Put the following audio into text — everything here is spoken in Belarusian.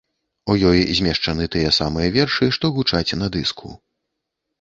У ёй змешчаны тыя самыя вершы, што гучаць на дыску.